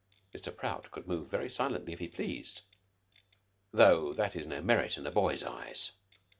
Mr. Prout could move very silently if he pleased, though that is no merit in a boy's eyes.